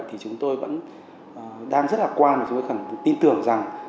thì chúng tôi vẫn đang rất hạc quan và chúng tôi khẳng định tin tưởng rằng